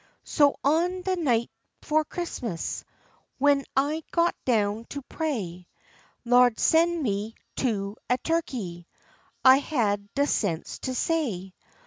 So on de night 'fore Chris'mus w'en I got down to pray, "Lawd, sen' me to a turkey," I had de sense to say.